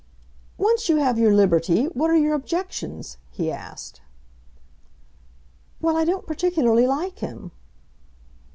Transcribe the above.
"Once you have your liberty, what are your objections?" he asked. "Well, I don't particularly like him."